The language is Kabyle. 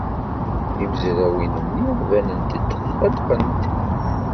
Timezrawin-nni banent-d tqellqent.